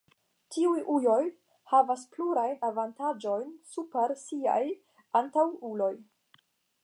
Tiuj ujoj havis plurajn avantaĝojn super siaj antaŭuloj.